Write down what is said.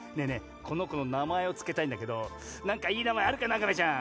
このこのなまえをつけたいんだけどなんかいいなまえあるかな亀ちゃん。